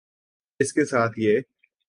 اس کے ساتھ یہ